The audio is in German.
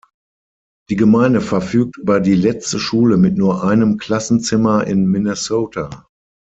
Die Gemeinde verfügt über die letzte Schule mit nur einem Klassenzimmer in Minnesota.